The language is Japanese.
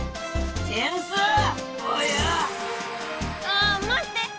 あまって！